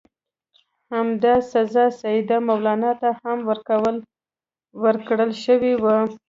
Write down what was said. همدا سزا سیدي مولا ته هم ورکړل شوې وه.